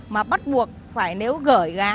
mà bắt buộc phải nếu gửi ga